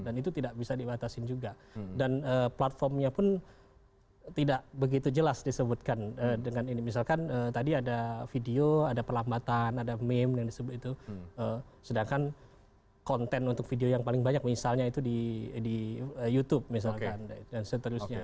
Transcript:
dan itu tidak bisa dibatasin juga dan platformnya pun tidak begitu jelas disebutkan dengan ini misalkan tadi ada video ada perlambatan ada meme dan sebagainya itu sedangkan konten untuk video yang paling banyak misalnya itu di youtube misalkan dan seterusnya